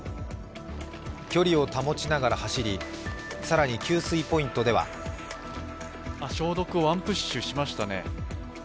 距離を保ちながら走り、更に給水ポイントでは消毒をワンプッシュしましたね。